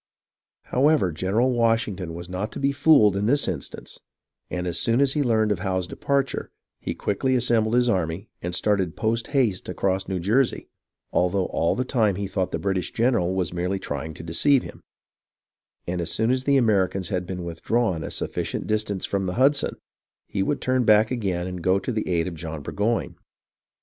However, General Washington was not to be fooled in this instance, and as soon as he learned of Howe's departure, 214 ■ HISTORY OF THE AMERICAN REVOLUTION he quickly assembled his army and started post haste across New Jersey, although all the time he thought the British general was merely trying to deceive him ; and as soon as the Americans had been withdrawn a sufficient distance from the Hudson, he would turn back again and go to the aid of John Burgoyne.